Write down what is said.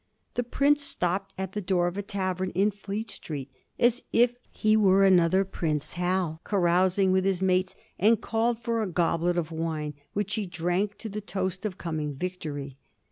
The Prince stopped at the door of a tavern in Fleet Street, as if he were another Prince Hal carousing with his mates, and called for a goblet of wine, which he drank to the toast of coming victory.